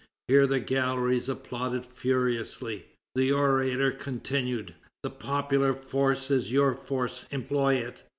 Here the galleries applauded furiously. The orator continued: "The popular force is your force; employ it.